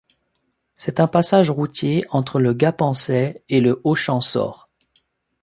C'est un passage routier entre le Gapençais et le haut Champsaur.